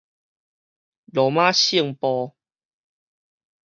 羅馬聖部